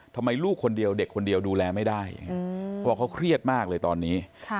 ทำไมลูกคนเดียวเด็กคนเดียวดูแลไม่ได้เพราะเขาเครียดมากเลยตอนนี้